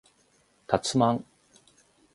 たつまん